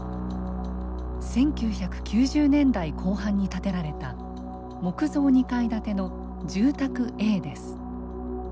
１９９０年代後半に建てられた木造２階建ての住宅Ａです。